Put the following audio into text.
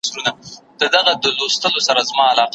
په سنګسار یې خپل خواخوږي دي شړلي